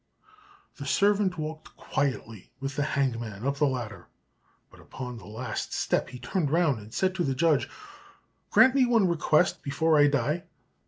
The servant walked quietly with the hangman up the ladder, but upon the last step he turned round and said to the judge, "Grant me just one request before I die."